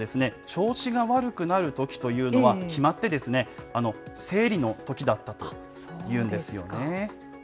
ミドリさんは、調子が悪くなるときというのは、決まって、生理のときだったというんですよね。